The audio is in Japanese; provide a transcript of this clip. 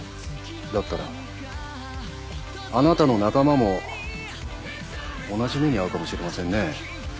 だったらあなたの仲間も同じ目に遭うかもしれませんね。